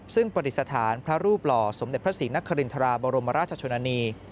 ซึ่งปฏิสถานพระรูปหล่อสมเด็จพระศรีนครินทราบรมราชชนนานี